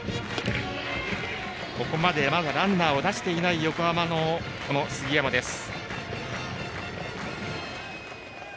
ここまでまだランナーを出していない横浜の杉山です。